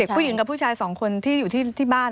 ผู้หญิงกับผู้ชายสองคนที่อยู่ที่บ้าน